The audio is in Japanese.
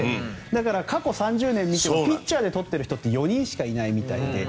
だから、過去３０年見てもピッチャーで取ってる人って４人しかいないみたいで。